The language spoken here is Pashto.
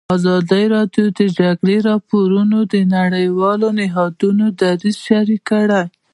ازادي راډیو د د جګړې راپورونه د نړیوالو نهادونو دریځ شریک کړی.